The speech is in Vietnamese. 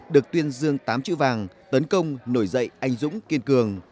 được tuyên dương tám chữ vàng tấn công nổi dậy anh dũng kiên cường